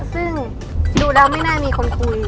ซึ่งดูแล้วไม่น่ามีคนคุย